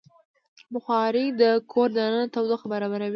بخاري د کور دننه تودوخه برابروي.